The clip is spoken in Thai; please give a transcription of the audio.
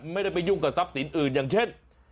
ไม่ได้ไปยุ่งกับทรัพย์สินอื่นอย่างเช่น